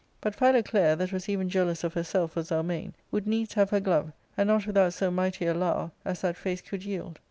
But Philoclea, that was even jealous of herself for Zelmane, would needs have her glove, and not without so mighty a lower [frown] as that face could yield.